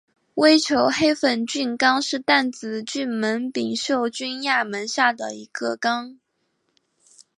微球黑粉菌纲是担子菌门柄锈菌亚门下的一个纲。